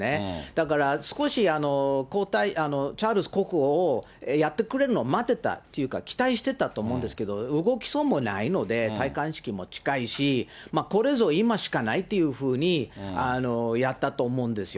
だから、少しチャールズ国王をやってくれるの待ってたというか、期待してたと思うんですけど、動きそうもないので、戴冠式も近いし、これぞ今しかないというふうにやったと思うんですよ。